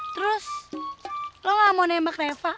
terus lo gak mau nembak neva